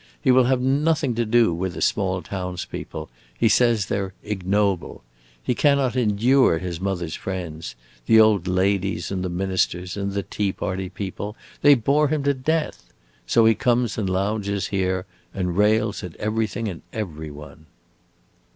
He will have nothing to do with the small towns people; he says they 're 'ignoble.' He cannot endure his mother's friends the old ladies and the ministers and the tea party people; they bore him to death. So he comes and lounges here and rails at everything and every one."